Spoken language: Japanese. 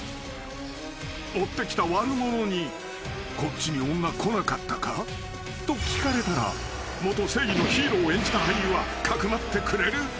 ［追ってきた悪者に「こっちに女来なかったか？」と聞かれたら元正義のヒーローを演じた俳優はかくまってくれる？